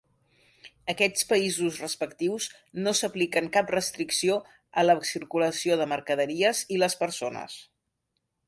Aquests països respectius no s'apliquen cap restricció a la circulació de mercaderies i les persones.